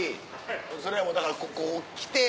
それはもうだからここ来て。